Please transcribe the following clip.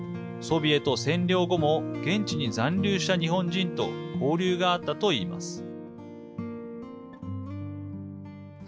ソビエト占領後も現地に残留した日本人と交流があったと言います。